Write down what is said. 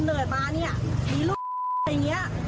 คุณผู้ชมคุณผู้ชมคุณผู้ชม